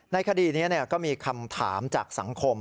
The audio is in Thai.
คดีนี้ก็มีคำถามจากสังคม